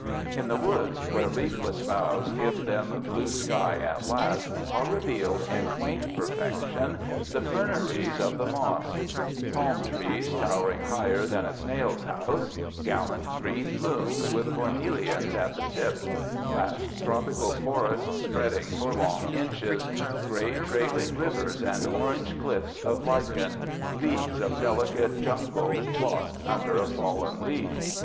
In the woods where leafless boughs give them blue sky at last are revealed in quaint perfection the ferneries of the moss: palm trees towering higher than a snail's house, gallant green plumes with cornelians at the tip, vast tropical forests spreading for long inches, gray trailing rivers and orange cliffs of lichen, leagues of delicate jungle lost under a fallen leaf.